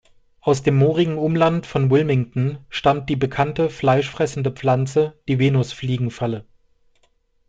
Aus dem moorigen Umland von Wilmington stammt die bekannte fleischfressende Pflanze, die Venusfliegenfalle.